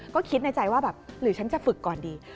ก็คิดในใจว่าแบบหรือฉันจะฝึกก่อนดี